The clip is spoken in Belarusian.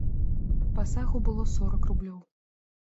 Пасагу было сорак рублёў.